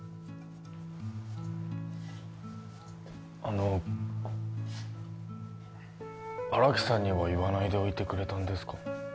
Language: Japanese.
あの荒木さんには言わないでおいてくれたんですか？